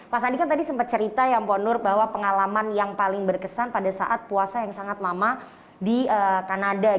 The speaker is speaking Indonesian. pak sandi kan tadi sempat cerita ya mbak nur bahwa pengalaman yang paling berkesan pada saat puasa yang sangat lama di kanada